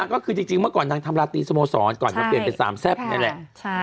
ก็คือจริงเมื่อก่อนนางทำราตรีสโมสรก่อนมาเปลี่ยนเป็นสามแซ่บนี่แหละ